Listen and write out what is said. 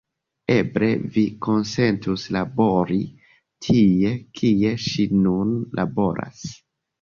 Eble vi konsentus labori tie, kie ŝi nun laboras.